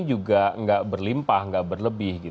juga nggak berlimpah nggak berlebih